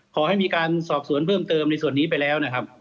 ขอให้มีการสอบสวนเพิ่มเติมในส่วนนี้ไปแล้วนะครับ